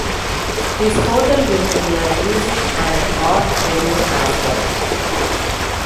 This hotel will be a music and art venue as well.